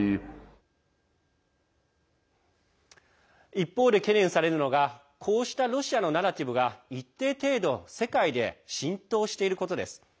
一方で懸念されるのがこうしたロシアのナラティブが一定程度世界で浸透していることです。